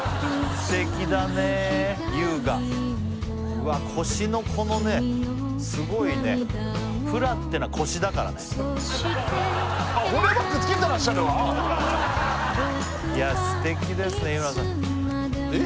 すてきだね優雅うわ腰のこのねすごいねフラってのは腰だからねつけてらっしゃるわいやすてきですね日村さんえっ